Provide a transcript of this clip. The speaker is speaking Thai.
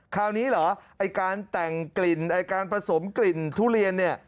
คราวนี้เหรอไอ้การแต่งกลิ่นไอ้การผสมกลิ่นทุเรียนเนี่ย